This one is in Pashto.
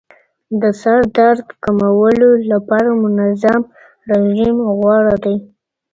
د سردرد کمولو لپاره منظم رژیم غوره دی.